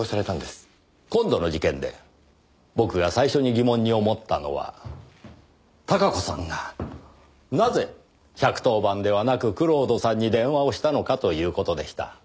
今度の事件で僕が最初に疑問に思ったのは孝子さんがなぜ１１０番ではなく蔵人さんに電話をしたのかという事でした。